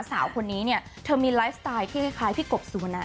สาวคนนี้เนี่ยเธอมีไลฟ์สไตล์ที่คล้ายพี่กบสุวนัน